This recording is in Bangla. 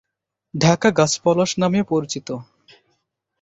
ঢাক গাছ পলাশ নামেও পরিচিত।